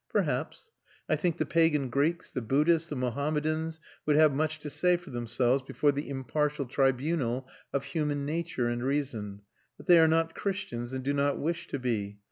Perhaps: I think the pagan Greeks, the Buddhists, the Mohammedans would have much to say for themselves before the impartial tribunal of human nature and reason. But they are not Christians and do not wish to be.